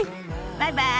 バイバイ。